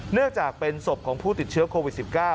เนื่องจากเป็นศพของผู้ติดเชื้อโควิด๑๙